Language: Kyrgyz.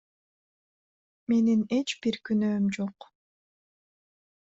Менин эч бир күнөөм жок.